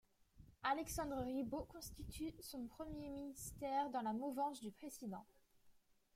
Alexandre Ribot constitue son premier ministère dans la mouvance du précédent.